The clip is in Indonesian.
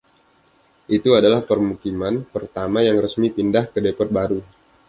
Itu adalah permukiman pertama yang resmi pindah ke depot baru.